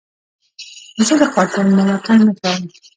زه د قاتل ملاتړ نه کوم.